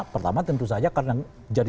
pertama tentu saja karena jadi